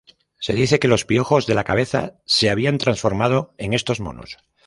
Se dice que los piojos de la cabeza se habían transformado en estos monos.